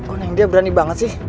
oh nih dia berani banget sih